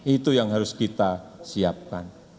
itu yang harus kita siapkan